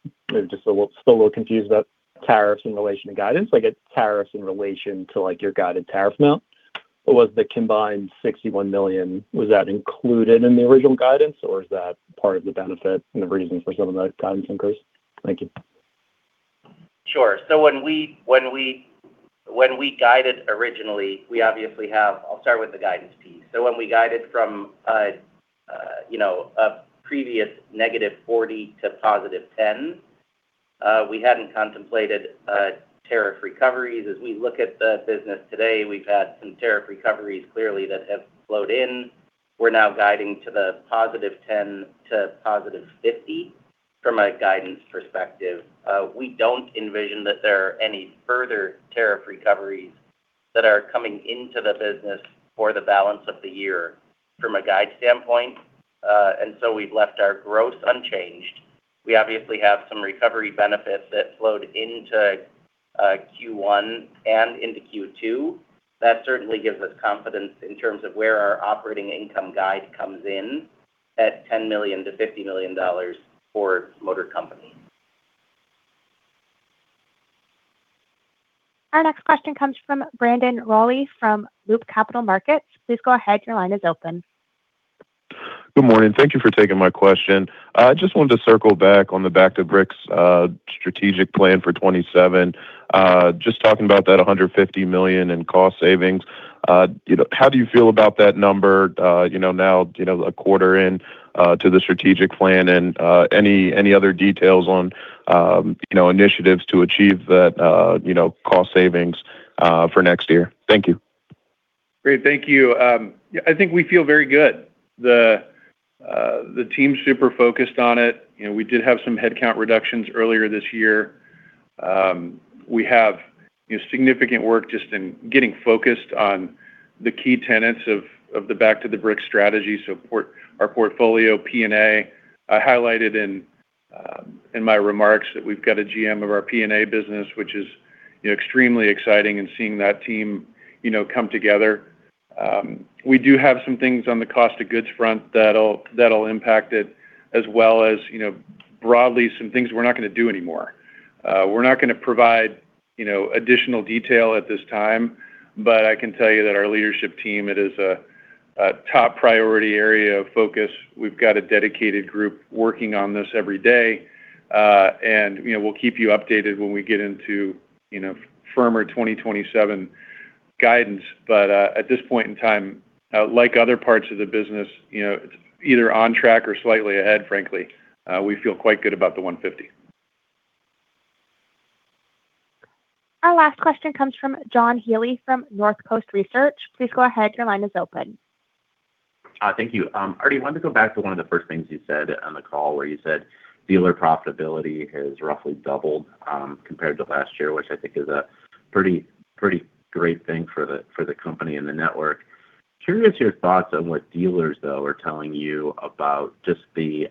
just a little confused about tariffs in relation to guidance, like tariffs in relation to your guided tariff amount. Was the combined $61 million included in the original guidance, or is that part of the benefit and the reason for some of that guidance increase? Thank you. Sure. When we guided originally, I'll start with the guidance piece. When we guided from a previous -$40 million to +$10 million, we hadn't contemplated tariff recoveries. As we look at the business today, we've had some tariff recoveries, clearly, that have flowed in. We're now guiding to the +$10 million to +$50 million from a guidance perspective. We don't envision that there are any further tariff recoveries that are coming into the business for the balance of the year from a guide standpoint. We've left our gross unchanged. We obviously have some recovery benefits that flowed into Q1 and into Q2. That certainly gives us confidence in terms of where our operating income guide comes in at $10 million to $50 million for Motor Company. Our next question comes from Brandon Rolle from Loop Capital Markets. Please go ahead. Your line is open. Good morning. Thank you for taking my question. I just wanted to circle back on the Back to the Bricks strategic plan for 2027. Just talking about that $150 million in cost savings, how do you feel about that number now a quarter in to the strategic plan, and any other details on initiatives to achieve that cost savings for next year? Thank you. Great. Thank you. I think we feel very good. The team's super focused on it. We did have some headcount reductions earlier this year. We have significant work just in getting focused on the key tenets of the Back to the Bricks strategy, so our portfolio P&A. I highlighted in my remarks that we've got a GM of our P&A business, which is extremely exciting in seeing that team come together. We do have some things on the cost of goods front that'll impact it, as well as broadly some things we're not going to do anymore. We're not going to provide additional detail at this time. I can tell you that our leadership team, it is a top priority area of focus. We've got a dedicated group working on this every day. We'll keep you updated when we get into firmer 2027 guidance. At this point in time, like other parts of the business, it's either on track or slightly ahead, frankly. We feel quite good about the $150 million. Our last question comes from John Healy from Northcoast Research. Please go ahead. Your line is open. Thank you. Artie, I wanted to go back to one of the first things you said on the call, where you said dealer profitability has roughly doubled compared to last year, which I think is a pretty great thing for the company and the network. Curious your thoughts on what dealers, though, are telling you about just the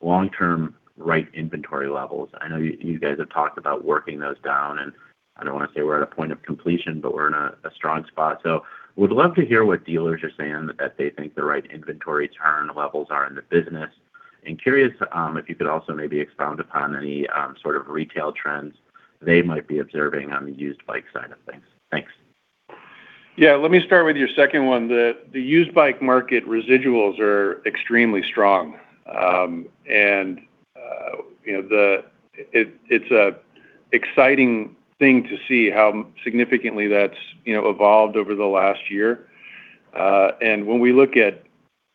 long-term right inventory levels. I know you guys have talked about working those down, and I don't want to say we're at a point of completion, but we're in a strong spot. Would love to hear what dealers are saying that they think the right inventory turn levels are in the business, and curious if you could also maybe expound upon any sort of retail trends they might be observing on the used bike side of things. Thanks. Yeah. Let me start with your second one. The used bike market residuals are extremely strong. It's a exciting thing to see how significantly that's evolved over the last year. When we look at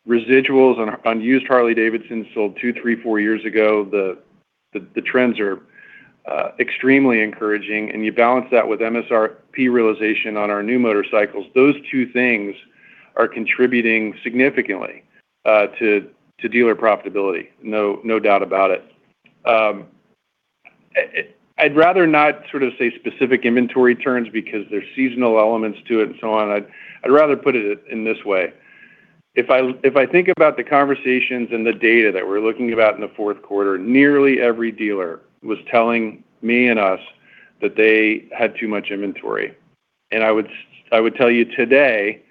residuals on used Harley-Davidson sold two, three, four years ago, the trends are extremely encouraging, and you balance that with MSRP realization on our new motorcycles. Those two things are contributing significantly to dealer profitability. No doubt about it. I'd rather not say specific inventory turns because there are seasonal elements to it and so on. I'd rather put it in this way. If I think about the conversations and the data that we're looking about in the fourth quarter, nearly every dealer was telling me and us that they had too much inventory. I would tell you today,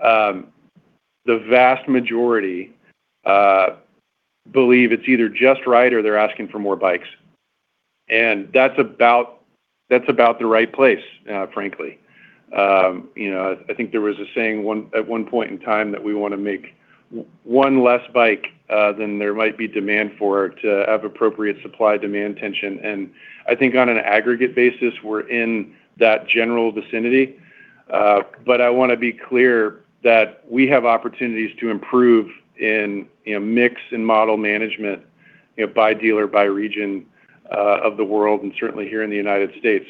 the vast majority believe it's either just right or they're asking for more bikes. That's about the right place, frankly. I think there was a saying at one point in time that we want to make one less bike than there might be demand for to have appropriate supply-demand tension. I think on an aggregate basis, we're in that general vicinity. I want to be clear that we have opportunities to improve in mix and model management by dealer, by region of the world, and certainly here in the United States.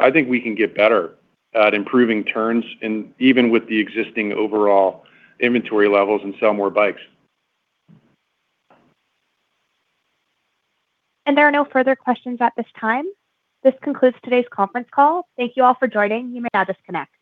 I think we can get better at improving turns and even with the existing overall inventory levels and sell more bikes. There are no further questions at this time. This concludes today's conference call. Thank you all for joining. You may now disconnect.